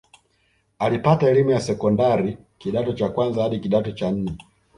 Alipata elimu ya sekondari kidato cha kwanza hadi kidato cha nne